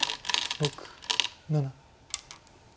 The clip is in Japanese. ６７。